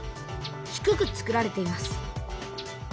低くつくられています。